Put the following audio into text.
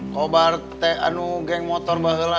kobar teh itu geng motor bahala